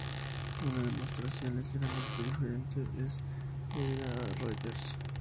Una demostración ligeramente diferente es debida a A. Rogers.